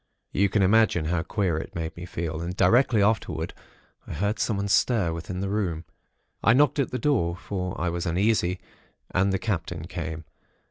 You can imagine how queer it made me feel, and directly afterwards, I heard someone stir within the room. I knocked at the door; for I was uneasy, and the Captain came.